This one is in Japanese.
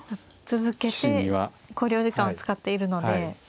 続けて考慮時間を使っているので。